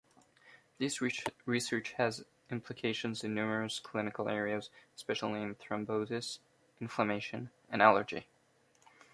This research has implications in numerous clinical areas, especially in thrombosis, inflammation, and allergy.